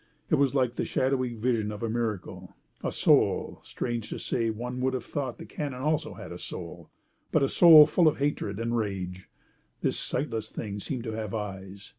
It was like the shadowy vision of a miracle. A soul—strange to say, one would have thought the cannon also had a soul; but a soul full of hatred and rage. This sightless thing seemed to have eyes.